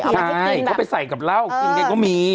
ใช่เขาไปใส่กับเหล้ากินแกก็มี